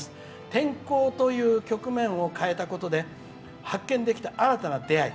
転校という局面を変えたことで発見できた新たな出会い。